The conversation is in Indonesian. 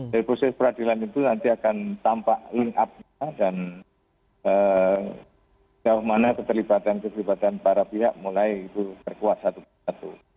dan proses peradilan itu nanti akan tampak link up dan jauh mana keterlibatan keterlibatan para pihak mulai terkuat satu satu